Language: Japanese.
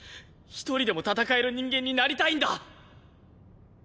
１人でも戦える人間になりたいんだ！